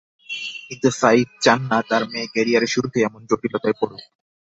কিন্তু সাইফ চান না তাঁর মেয়ে ক্যারিয়ারের শুরুতেই এমন জটিলতায় পড়ুক।